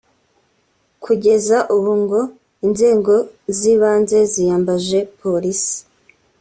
Kugeza ubu ngo inzego z’ibanze ziyambaje Polisi